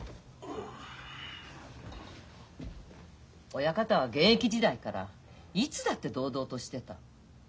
親方は現役時代からいつだって堂々としてた。